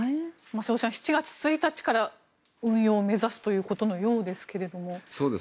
瀬尾さん、７月１日から運用を目指すということのようですが。